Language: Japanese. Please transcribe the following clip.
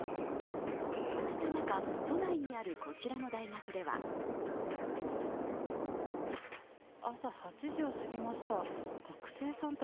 そうした中、都内にあるこちらの大学では朝８時を過ぎました。